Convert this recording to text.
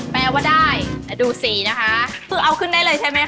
แปลว่าได้แต่ดูสีนะคะคือเอาขึ้นได้เลยใช่ไหมค